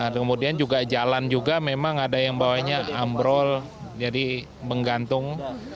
kemudian juga jalan juga memang ada yang bawahnya ambrol jadi menggantung